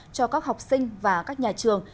cho các học sinh và các nhà trường